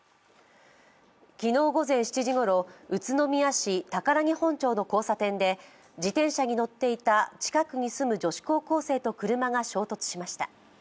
昨日午前７時ごろ、宇都宮市宝木本町の交差点で自転車に乗っていた近くに住む女子高校生と車が衝突しました。